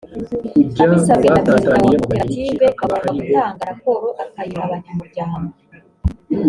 abisabwe na perezida wa koperative agomba gutanga raporo akayiha abanyamuryango